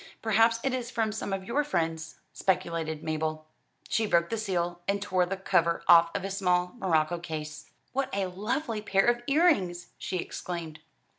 "Perhaps it is from some of your friends," speculated Mabel. She broke the seal, and tore the cover off a small morocco case. "What a lovely pair of earrings!" she exclaimed.